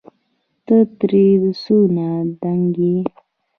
ته ترې څونه دنګ يې